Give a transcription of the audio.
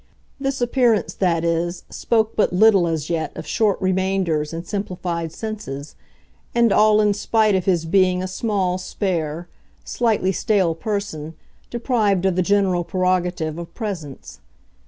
This appearance, that is, spoke but little, as yet, of short remainders and simplified senses and all in spite of his being a small, spare, slightly stale person, deprived of the general prerogative of presence.